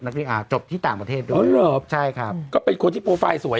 พี่อาร์จบที่ต่างประเทศด้วยอ๋อเหรอใช่ครับก็เป็นคนที่โปรไฟล์สวย